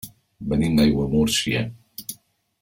Venim d'Aiguamúrcia.